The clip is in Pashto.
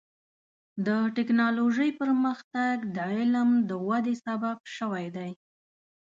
د ټکنالوجۍ پرمختګ د علم د ودې سبب شوی دی.